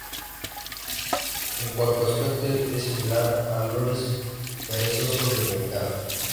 En cuanto aspecto es similar al loris perezoso de Bengala.